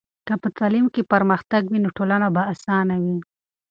که په تعلیم کې پرمختګ وي، نو ټولنه به اسانه وي.